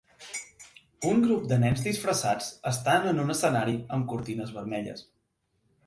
Un grup de nens disfressats estan en un escenari amb cortines vermelles.